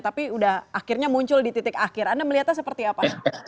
tapi sudah akhirnya muncul di titik akhir anda melihatnya seperti apa